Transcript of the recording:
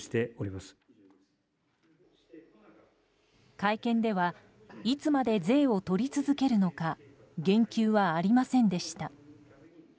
会見ではいつまで税をとり続けるのか言及はありませんでした。